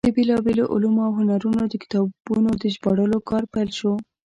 د بېلابېلو علومو او هنرونو د کتابونو د ژباړلو کار پیل شو.